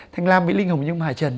thanh lam mỹ linh hồng nhung hải trần